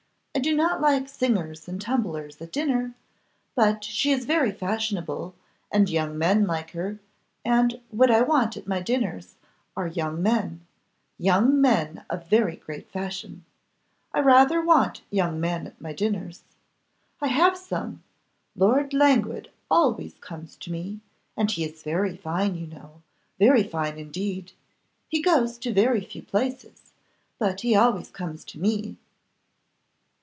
I do not like singers and tumblers at dinner, but she is very fashionable, and young men like her; and what I want at my dinners are young men, young men of very great fashion. I rather want young men at my dinners. I have some; Lord Languid always comes to me, and he is very fine, you know, very fine indeed. He goes to very few places, but he always comes to me.